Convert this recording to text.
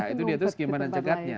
itu dia terus gimana cegatnya